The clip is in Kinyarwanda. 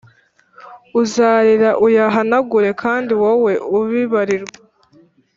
Uzarira uyahanagure Kandi wowe ubibarirwa